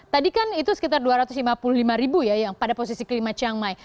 tadi kan itu sekitar dua ratus lima puluh lima rupiah pada posisi kelima chiang mai